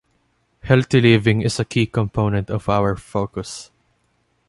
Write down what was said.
Healthy living is a key component of our focus.